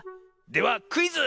ではクイズ！